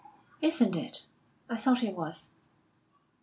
"Isn't it? I thought it was."